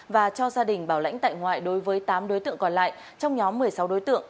và cho gia đình bảo lãnh tại ngoại đối với tám đối tượng còn lại trong nhóm một mươi sáu đối tượng